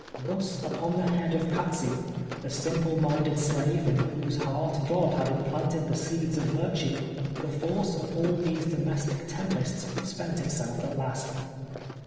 Thus, upon the head of Patsey — the simple minded slave, in whdse heart God had implanted the seeds of virtue — the force of all these domestic tem pests spent itself at last.